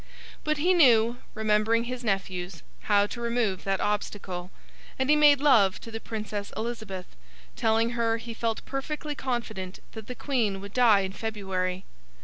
But, he knew (remembering his nephews) how to remove that obstacle, and he made love to the Princess Elizabeth, telling her he felt perfectly confident that the Queen would die in February.